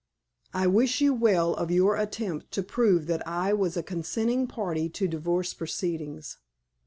I wish you well of your attempt to prove that I was a consenting party to divorce proceedings.